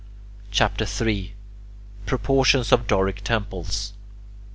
CHAPTER III PROPORTIONS OF DORIC TEMPLES 1.